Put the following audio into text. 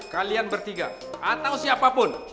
kalian bertiga atau siapapun